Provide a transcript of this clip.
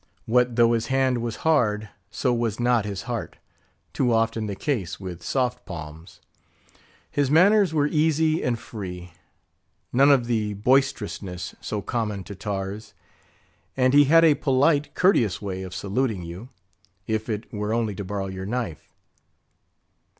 What though his hand was hard, so was not his heart, too often the case with soft palms. His manners were easy and free; none of the boisterousness, so common to tars; and he had a polite, courteous way of saluting you, if it were only to borrow your knife.